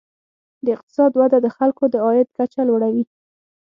د اقتصاد وده د خلکو د عاید کچه لوړوي.